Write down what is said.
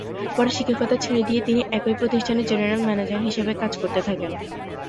পরে শিক্ষকতা ছেড়ে দিয়ে একই প্রতিষ্ঠানে 'জেনারেল ম্যানেজার' হিসেবে কাজ করতে থাকেন।